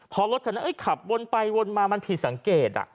พอรถคันนั้นขับวนไปวนมามันผิดสังเกต